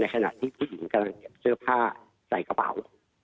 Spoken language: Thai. ในขณะที่ผู้หญิงเกิดเสื้อผ้าใส่กระเป๋า